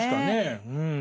うん。